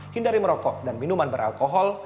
hindari merokok dan minuman beralkohol